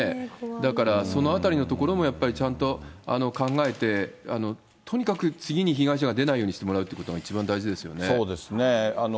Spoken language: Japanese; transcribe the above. だからそのあたりのところもやっぱりちゃんと考えて、とにかく次に被害者が出ないようにしてもらうということが一番大そうですね。